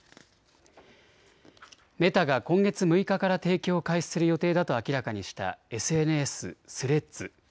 メタが今月６日から提供を開始する予定だと明らかにしたＳＮＳ、スレッズ。